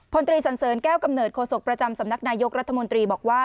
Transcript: พลตรีสันเสริญแก้วกำเนิดโศกประจำสำนักนายกรัฐมนตรีบอกว่า